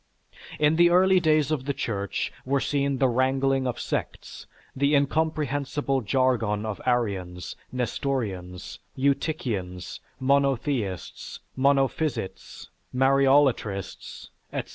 In the early days of the Church were seen the wrangling of sects, the incomprehensible jargon of Arians, Nestorians, Eutychians, Monotheists, Monophysites, Mariolatrists, etc.